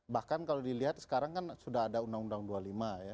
bahkan kalau dilihat sekarang kan sudah ada undang undang dua puluh lima ya